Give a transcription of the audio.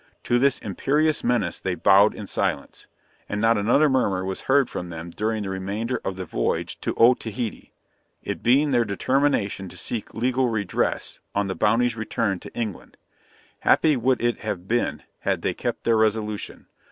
To this imperious menace they bowed in silence, and not another murmur was heard from them during the remainder of the voyage to Otaheite, it being their determination to seek legal redress on the Bounty's return to England. Happy would it have been had they kept their resolution.